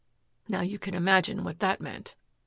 Now you can imagine what that meant."